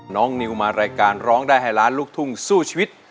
นิวมารายการร้องได้ให้ล้านลูกทุ่งสู้ชีวิต